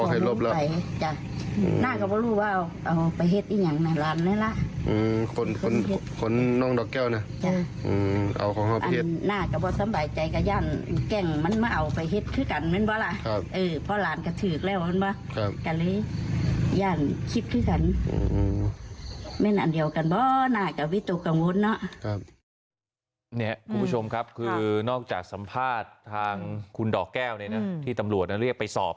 คุณผู้ชมครับคือนอกจากสัมภาษณ์ทางคุณดอกแก้วเนี่ยนะที่ตำรวจเรียกไปสอบ